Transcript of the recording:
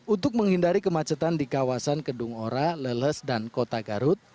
untuk menghindari kemacetan di kawasan kedung ora leles dan kota garut